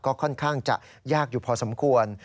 ก็ค่อนข้างจะยากอยู่พอสมควร